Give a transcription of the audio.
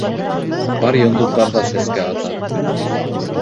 Бар йондоҙҙар ҙа сәскә ата.